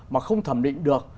mà không thẩm định được